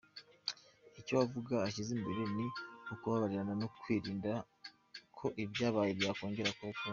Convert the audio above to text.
Icyo avuga ashyize imbere ni ukubabarirana no kwirinda ko ibyabaye byakongera kuba ukundi.